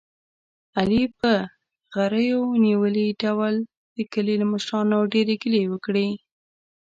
علي په غرېو نیولي ډول د کلي له مشرانو ډېرې ګیلې وکړلې.